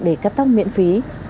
để cắt tóc miễn phí